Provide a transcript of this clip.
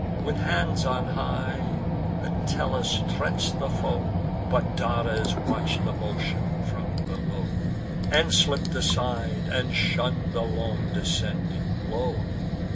With hands on high, Entellus threats the foe; But Dares watch'd the motion from below, And slipp'd aside, and shunn'd the long descending blow.